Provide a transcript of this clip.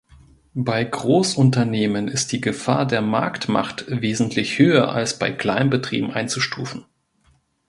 Bei Großunternehmen ist die Gefahr der Marktmacht wesentlich höher als bei Kleinbetrieben einzustufen.